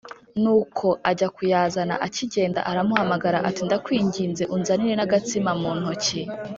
Nuko ajya kuyazana Akigenda aramuhamagara ati “Ndakwinginze unzanire n’agatsima mu ntoki”